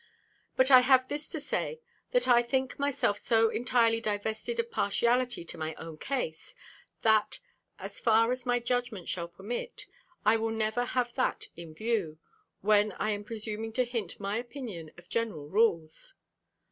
But I have this to say; that I think myself so entirely divested of partiality to my own case, that, as far as my judgment shall permit, I will never have that in view, when I am presuming to hint my opinion of general rules.